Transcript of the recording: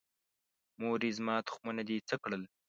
مورې، زما تخمونه دې څه کړل؟